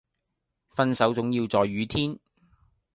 分手總要在雨天